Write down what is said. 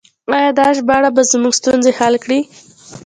آیا دا ژباړه به زموږ ستونزې حل کړي؟